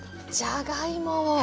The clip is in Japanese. じゃがいもをへえ。